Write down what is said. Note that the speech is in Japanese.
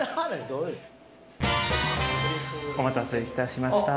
お待たせいたしました。